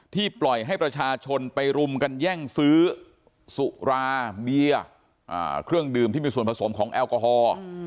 ปล่อยให้ประชาชนไปรุมกันแย่งซื้อสุราเบียร์เครื่องดื่มที่มีส่วนผสมของแอลกอฮอล์